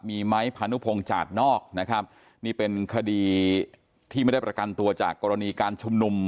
มีไม้พานุพงศ์จาดนอกนะครับนี่เป็นคดีที่ไม่ได้ประกันตัวจากกรณีการชุมนุม